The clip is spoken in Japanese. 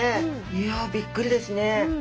いやびっくりですね。